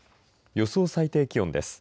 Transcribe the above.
予想最低気温です。